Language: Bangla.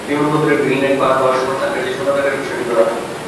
বিমানবন্দরের গ্রিনলাইন পার হওয়ার সময় তাঁর কাছে সোনা থাকার বিষয়টি ধরা পড়ে।